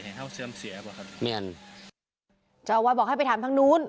ให้เอาเสริมเสียบ่ะครับเนี่ยจ้าวาดบอกให้ไปถามทั้งนู้น